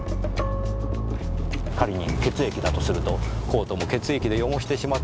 仮に血液だとするとコートも血液で汚してしまったのでしょう。